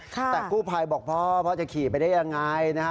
แต่ผู้พัยบอกพ่อจะขี่ไปได้ยังไง